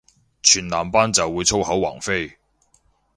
全男班就會粗口橫飛